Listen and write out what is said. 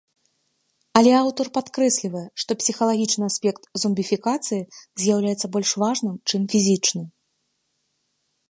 Але аўтар падкрэслівае, што псіхалагічны аспект зомбіфікацыі з'яўляецца больш важным, чым фізічны.